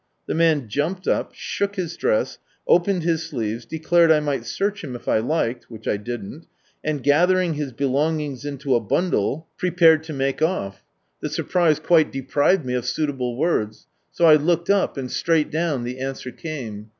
The man jumped up, shook his dress, opened his sleeves, declared I might search him if I liked (which I didn't), and gathering his belongings into a bundle, prepared to make off". The surprise quite deprived me of suitable words. So I looked up, and straight down the answer came.